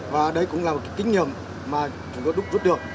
và đây cũng là một kinh nghiệm mà chúng tôi đúc rút được